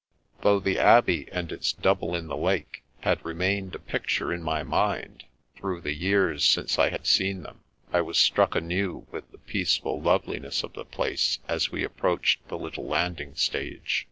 Though the Abbey and its double in the lake had remained a picture in my mind, through the years since I had seen them^ I was struck anew with the peaceful loveliness of the place as we approached the little landing stage.